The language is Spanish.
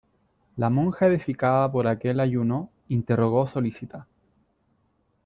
la monja edificada por aquel ayuno , interrogó solícita :